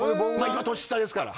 一応年下ですから。